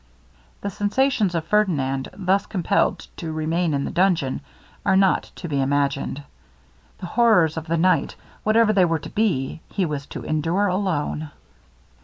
The sensations of Ferdinand, thus compelled to remain in the dungeon, are not to be imagined. The horrors of the night, whatever they were to be, he was to endure alone.